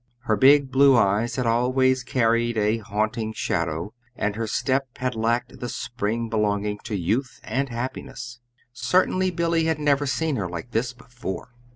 Her big blue eyes had always carried a haunting shadow, and her step had lacked the spring belonging to youth and happiness. Certainly, Billy had never seen her like this before.